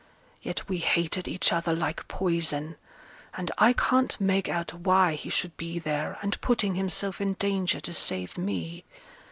Yet we hated each other like poison; and I can't make out why he should be there and putting himself in danger to save me.